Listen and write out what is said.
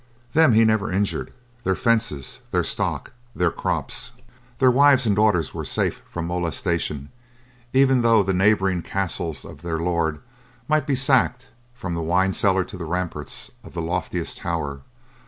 Them he never injured; their fences, their stock, their crops, their wives and daughters were safe from molestation even though the neighboring castle of their lord might be sacked from the wine cellar to the ramparts of the loftiest tower.